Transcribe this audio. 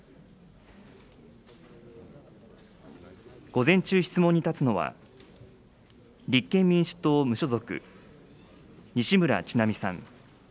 午前中質問に立つのは、立憲民主党・無所属、西村智奈美さん。